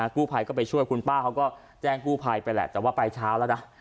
กู้ภัยก็ไปช่วยคุณป้าเขาก็แจ้งกู้ภัยไปแหละแต่ว่าไปเช้าแล้วนะ